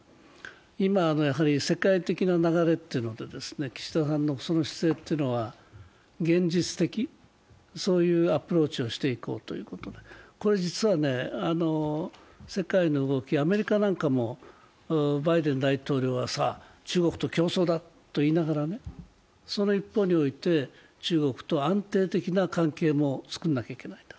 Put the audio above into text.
今、世界的な流れで岸田さんの姿勢というのは現実的、そういうアプローチをしていこうということでこれ実は世界の動き、アメリカなんかもバイデン大統領はさあ中国と競争だと言いながら、その一方において、中国と安定的な関係もつくらなきゃいけない。